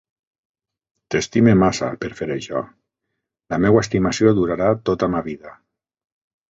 T'estime massa, per fer això. La meua estimació durarà tota ma vida.